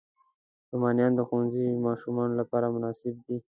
رومیان د ښوونځي ماشومانو لپاره مناسب دي